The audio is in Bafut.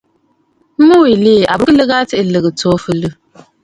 Mu wilì a burə nlɨgə aa tsiʼì lɨ̀gə̀, tso fɨliɨ̂.